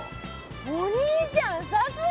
お兄ちゃんさすが！